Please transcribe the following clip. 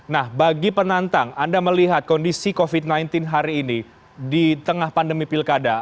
nah bagi penantang anda melihat kondisi covid sembilan belas hari ini di tengah pandemi pilkada